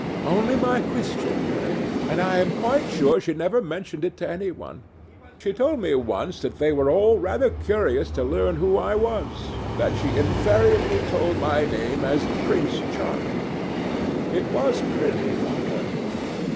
"Only my Christian name, and that I am quite sure she never mentioned to any one. She told me once that they were all rather curious to learn who I was, and that she invariably told them my name was Prince Charming. It was pretty of her.